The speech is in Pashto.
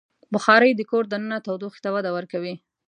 بخاري د کور دننه تودوخې ته وده ورکوي.